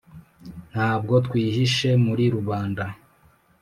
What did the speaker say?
nabwo twihishe muri rubanda